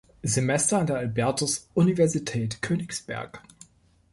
Semester an der Albertus-Universität Königsberg.